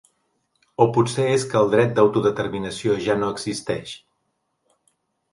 O potser és que el dret d’autodeterminació ja no existeix?